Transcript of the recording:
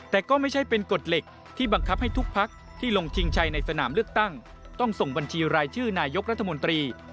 แต่ก็ไม่ใช่เป็นกฎเหล็กที่บังคับให้ทุกพักที่ลงชิงชัยในสนามเลือกตั้งต้องส่งบัญชีรายชื่อนายกรัฐมนตรี